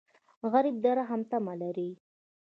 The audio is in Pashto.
غریب د رحم تمه لري